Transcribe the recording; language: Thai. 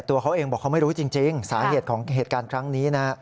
ตัวเขาเองบอกเขาไม่รู้จริงสาเหตุของเหตุการณ์ครั้งนี้นะ